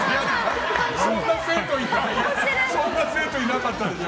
そんな生徒いなかったでしょ。